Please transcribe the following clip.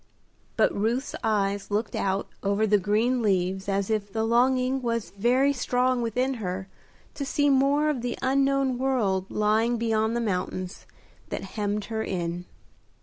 But Ruth's eyes looked out over the green leaves as if the longing was very strong within her to see more of the unknown world lying beyond the mountains that hemmed her in.